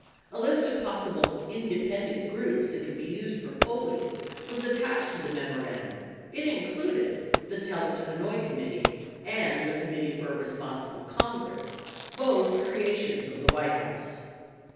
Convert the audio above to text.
66 A list of pos sible "independent" groups that could be used for polling was attached to the memorandum; it included that "Tell It To Hanoi" committee and the "Committee for a Responsible Congress," both creations of the White House.